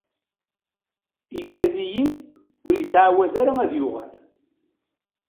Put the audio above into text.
Ikad-iyi-d ur yettɛawad ara d-yuɣal.